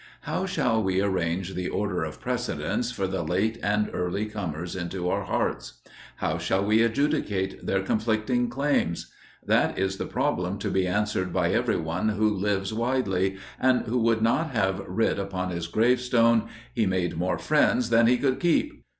How shall we arrange the order of precedence for the late and early comers into our hearts? How shall we adjudicate their conflicting claims? That is the problem to be answered by everyone who lives widely, and who would not have writ upon his gravestone: "He made more friends than he could keep!"